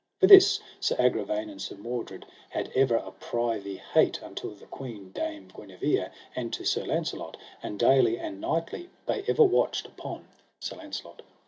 For this Sir Agravaine and Sir Mordred had ever a privy hate unto the queen Dame Guenever and to Sir Launcelot, and daily and nightly they ever watched upon Sir Launcelot.